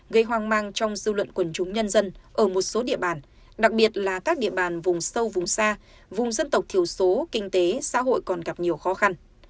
gây hoang mang trong dư luận quần chúng nhân dân ở một số địa bàn đặc biệt là các địa bàn vùng sâu vùng xa vùng dân tộc thiểu số kinh tế xã hội còn gặp nhiều khó khăn